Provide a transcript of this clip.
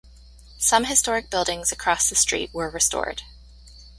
Some historic buildings across the street were restored.